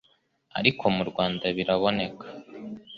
ariko mu Rwanda biraboneka.